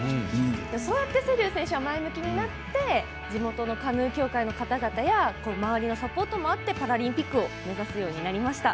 そうやって、瀬立選手は前向きになって地元のカヌー協会の方々や周りのサポートもあってパラリンピックを目指すようになりました。